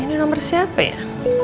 ini nomer siapa ya